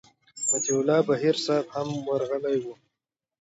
مطیع الله بهیر صاحب هم ورغلی و.